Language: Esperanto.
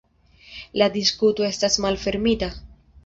La diskuto estas malfermita.